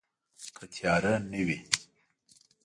که تیاره نه وي